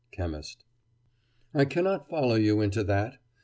CHEMIST: I cannot follow you into that.